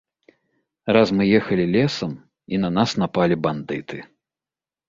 Раз мы ехалі лесам, і на нас напалі бандыты.